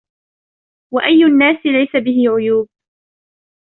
وأي الناس ليس به عيوب.